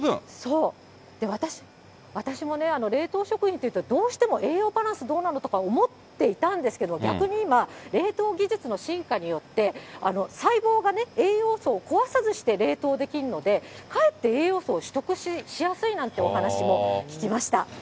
私もね、冷凍食品っていうと、どうしても栄養バランス、どうなのかと思っていたんですけど、逆に今、冷凍技術の進化によって、細胞が栄養素を壊さずして冷凍できるので、かえって栄養素を取得しやすいなんていうお話も聞きました。